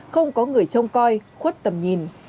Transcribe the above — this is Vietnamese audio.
không có người trông coi khuất tầm nhìn